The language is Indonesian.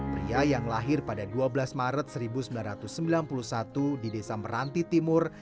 pria yang lahir pada dua belas maret seribu sembilan ratus sembilan puluh satu di desa meranti timur